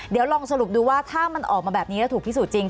เดี๋ยวลองสรุปดูว่าถ้ามันออกมาแบบนี้แล้วถูกพิสูจนจริง